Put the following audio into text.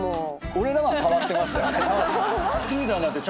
俺らは変わってましたよね。